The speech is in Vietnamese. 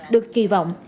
được kỳ vọng